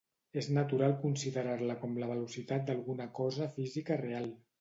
És natural considerar-la com la velocitat d'alguna cosa física real.